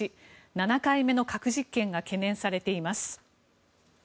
７回目の核実験が懸念されています。